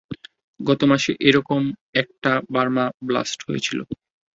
গত মাসে এরকম একটা তে বার্মা ব্লাস্ট হয়েছিল।